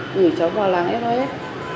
ngửi cháu vào làng sos